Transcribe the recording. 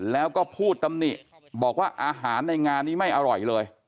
แล้วก็พูดตำหนิบอกว่าอาหารในงานนี้ไม่อร่อยเลย